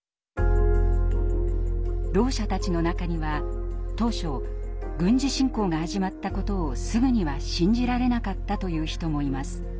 ろう者たちの中には当初軍事侵攻が始まったことをすぐには信じられなかったという人もいます。